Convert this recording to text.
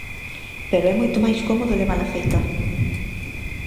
Pero é moito máis cómodo levala feita.